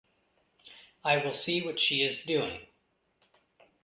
I will see what she is doing.